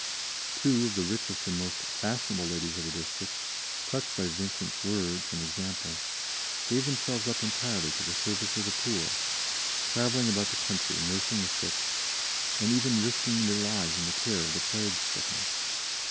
Two of the richest and most fashionable ladies of the district, touched by Vincent's words and example, gave themselves up entirely to the service of the poor, traveling about the country nursing the sick, and even risking their lives in the care of the plague stricken.